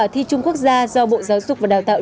thi trung quốc gia do bộ giáo dục và đào tạo